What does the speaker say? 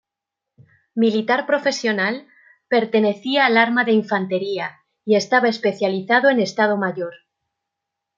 Militar profesional, pertenecía al arma de infantería y estaba especializado en Estado Mayor.